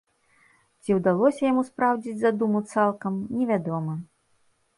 Ці ўдалося яму спраўдзіць задуму цалкам, невядома.